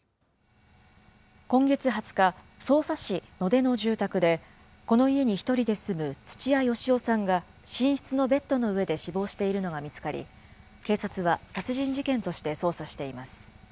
今月２０日、匝瑳市野手の住宅で、この家に１人で住むつちや好夫さんが寝室のベッドの上で死亡しているのが見つかり、警察は殺人事件として捜査しています。